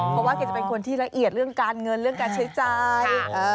เพราะว่าแกจะเป็นคนที่ละเอียดเรื่องการเงินเช้าใจ